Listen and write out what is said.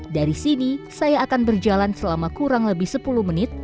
dari sini saya akan berjalan selama kurang lebih sepuluh menit